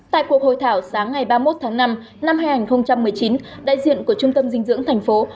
tại cuộc hội thảo sáng ngày ba mươi một tháng năm năm hai nghìn một mươi chín đại diện của trung tâm dinh dưỡng thành phố